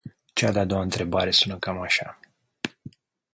Cea de-a doua întrebare sună cam așa.